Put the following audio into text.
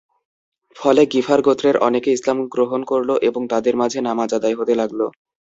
ফলে গিফার গোত্রের অনেকে ইসলাম গ্রহণ করল এবং তাদের মাঝে নামায আদায় হতে লাগল।